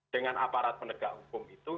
dengan aparat penegak hukum itu